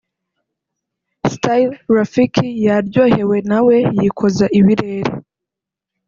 StyleRafiki yaryohewe nawe yikoza ibirere